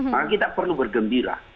maka kita perlu bergembira